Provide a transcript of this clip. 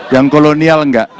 yang kolonial enggak